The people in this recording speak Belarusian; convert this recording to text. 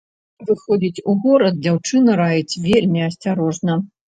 Выходзіць у горад дзяўчына раіць вельмі асцярожна.